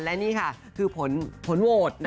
และนี่ค่ะคือผลโหวต